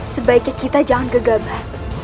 sebaiknya kita jangan gegabah